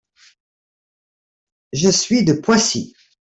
Je suis de Poissy.